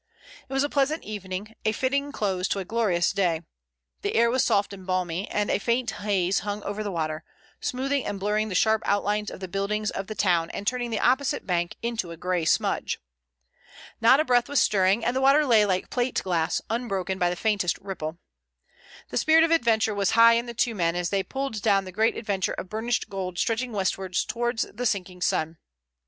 It was a pleasant evening, a fitting close to a glorious day. The air was soft and balmy, and a faint haze hung over the water, smoothing and blurring the sharp outlines of the buildings of the town and turning the opposite bank into a gray smudge. Not a breath was stirring, and the water lay like plate glass, unbroken by the faintest ripple. The spirit of adventure was high in the two men as they pulled down the great avenue of burnished gold stretching westwards towards the sinking sun.